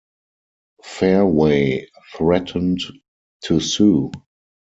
Fairway threatened to sue.